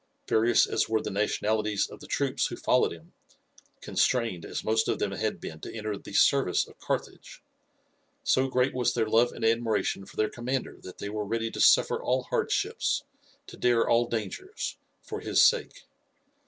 Various as were the nationalities of the troops who followed him, constrained as most of them had been to enter the service of Carthage, so great was their love and admiration for their commander that they were ready to suffer all hardships, to dare all dangers for his sake.